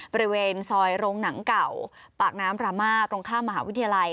บริเวณซอยโรงหนังเก่าปากน้ำรามาตรงข้ามมหาวิทยาลัย